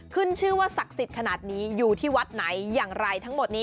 ขึ้นชื่อว่าศักดิ์สิทธิ์ขนาดนี้อยู่ที่วัดไหนอย่างไรทั้งหมดนี้